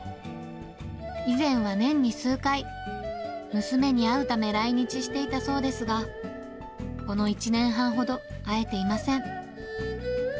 以前は年に数回、娘に会うため来日していたそうですが、この１年半ほど会えていません。